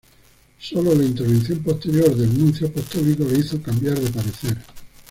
Sólo la intervención posterior del nuncio apostólico le hizo cambiar de parecer.